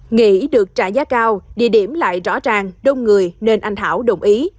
nghĩ được trả giá cao địa điểm lại rõ ràng đông người nên anh thảo đồng ý